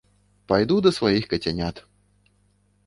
Пайду да сваіх кацянят!